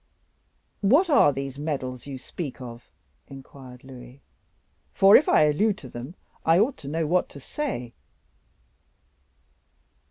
"What are these medals you speak of?" inquired Louis; "for if I allude to them, I ought to know what to say."